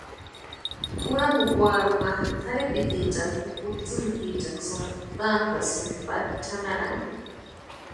Juramukwarhunha tʼarhepitiechani ka kutsïmitiechaniksï tantasïnti pari chʼanarani.